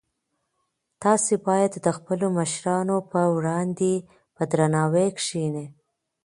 تاسي باید د خپلو مشرانو په وړاندې په درناوي کښېنئ.